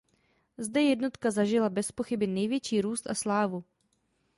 Zde jednotka zažila bezpochyby největší růst a slávu.